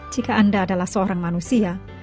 jika anda adalah seorang manusia